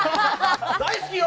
大好きよ！